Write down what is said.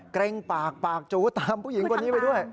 เกร็งปากปากจูตามผู้หญิงคนนี้ไปด้วย